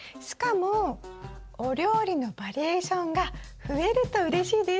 しかもお料理のバリエーションが増えるとうれしいです。